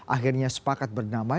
akhirnya sepakat bernamai